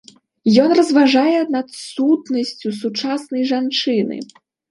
Ён разважае над сутнасцю сучаснай жанчыны.